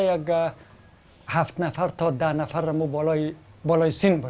jika lebih banyak dari kami berada di sini